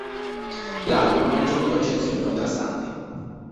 L'album ha ricevuto recensioni contrastanti.